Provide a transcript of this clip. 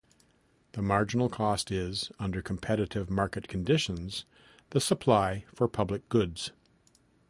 The marginal cost is, under competitive market conditions, the supply for public goods.